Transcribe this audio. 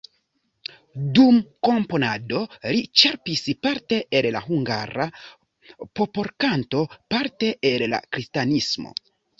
Dum komponado li ĉerpis parte el la hungara popolkanto, parte el la kristanismo.